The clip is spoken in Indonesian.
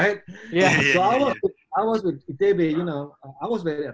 jadi kita itu kita itu aku di itebei you know kalau kita di itebei ya